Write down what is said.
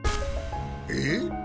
えっ？